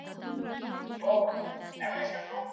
آیا شریف به نن کور ته ډوډۍ راوړي؟